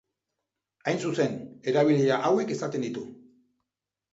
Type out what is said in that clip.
Hain zuzen, erabilera hauek izaten ditu.